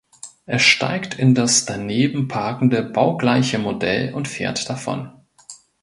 Er steigt in das daneben parkende baugleiche Modell und fährt davon.